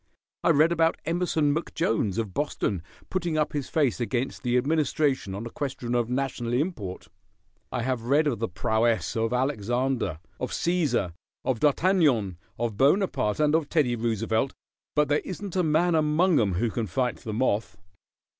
I read about Emerson McJones, of Boston, putting up his face against the administration on a question of national import. I have read of the prowess of Alexander, of Cæsar, of D'Artagnan, of Bonaparte, and of Teddy Roosevelt, but there isn't a man among 'em who can fight the moth.